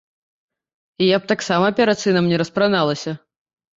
І я б таксама перад сынам не распраналася.